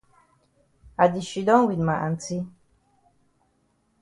I di shidon wit ma aunty.